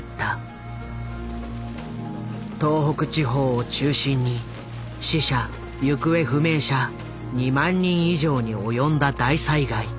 東北地方を中心に死者・行方不明者２万人以上に及んだ大災害。